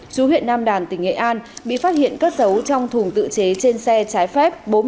chú huyện nam đàn tỉnh nghệ an bị phát hiện cất dấu trong thùng tự chế trên xe trái phép